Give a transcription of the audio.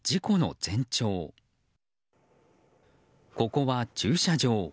ここは駐車場。